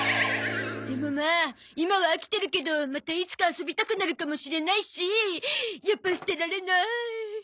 でもまあ今は飽きてるけどまたいつか遊びたくなるかもしれないしやっぱ捨てられない。